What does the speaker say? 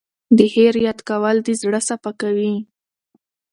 د خیر یاد کول د زړه صفا کوي.